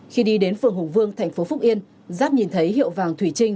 khi đi đến phường hùng vương thành phố phúc yên giáp nhìn thấy hiệu vàng thủy trinh